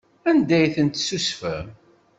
Anda ay ten-tessusfem?